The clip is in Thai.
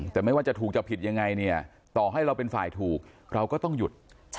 แต่ไม่ว่าจะถูกจะผิดยังไงเนี่ยต่อให้เราเป็นฝ่ายถูกเราก็ต้องหยุด